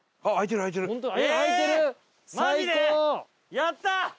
やった！